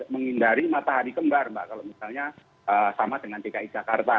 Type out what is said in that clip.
menghindari matahari kembar mbak kalau misalnya sama dengan dki jakarta